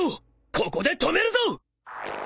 ここで止めるぞ！